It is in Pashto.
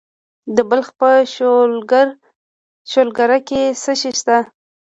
د بلخ په شولګره کې څه شی شته؟